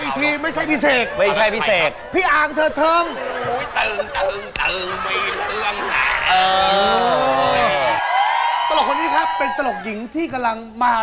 ทำร้ายร่างกายพิธีกรครับฮ่า